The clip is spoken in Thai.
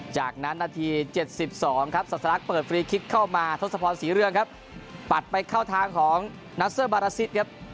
จากนั้นนาที๗๒ครับศาสลักเปิดฟรีคลิกเข้ามาทศพรศรีเรืองครับปัดไปเข้าทางของนัสเซอร์บาราซิสครับ